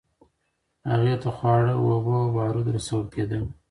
هغې ته خواړه، اوبه او بارود رسول کېدل.